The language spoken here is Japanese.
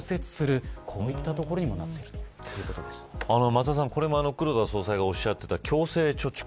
松田さん、これも黒田総裁がおっしゃってた強制貯蓄